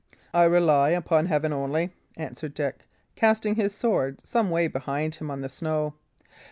"I rely upon Heaven only," answered Dick, casting his sword some way behind him on the snow.